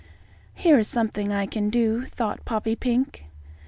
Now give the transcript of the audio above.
"Here is something I can do," thought Poppypink.